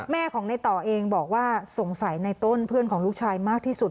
แม่ของในต่อเองบอกว่าสงสัยในต้นเพื่อนของลูกชายมากที่สุด